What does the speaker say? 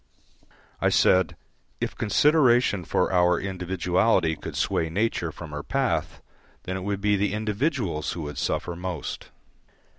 I said, "If consideration for our individuality could sway nature from her path, then it would be the individuals who would suffer most."